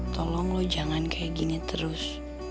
tolong lo jangan kayak gini terus